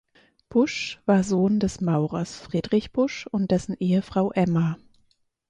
Busch war Sohn des Maurers Friedrich Busch und dessen Ehefrau Emma.